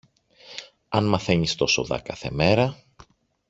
Αν μαθαίνεις τόσο δα κάθε μέρα